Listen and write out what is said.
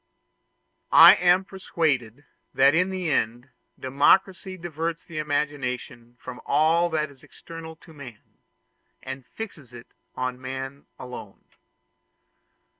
I am persuaded that in the end democracy diverts the imagination from all that is external to man, and fixes it on man alone.